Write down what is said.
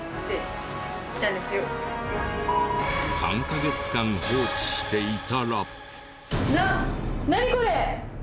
３カ月間放置していたら。